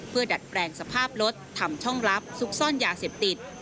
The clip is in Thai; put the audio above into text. เพื่อดัดแปลงสภาพรถทำช่องลับซุกซ่อนยาเสพติด